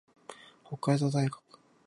北海道大学